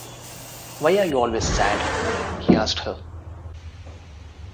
“Why are you always sad?” he asked her.